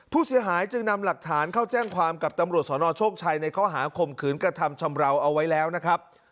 ผู้เสียหายจึงนำหลักฐานเข้าแจ้งความกับตำรวจสนโชคชัยในข้อหาข่มขืนกระทำชำราวเอาไว้แล้วนะครับ